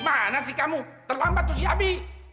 gimana sih kamu terlambat tuh si abi